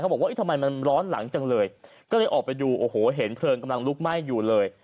บอกว่าทำไมมันร้อนหลังจังเลยก็เลยออกไปดูโอ้โหเห็นเพลิงกำลังลุกไหม้อยู่เลย